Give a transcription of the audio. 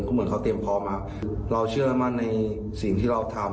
ก็เหมือนเขาเตรียมพร้อมมาเราเชื่อมั่นในสิ่งที่เราทำ